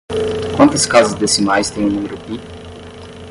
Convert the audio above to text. Quantas casas decimais tem o número pi?